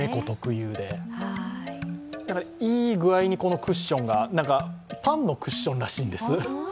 いい具合にこのクッションが、パンのクッションらしいんです。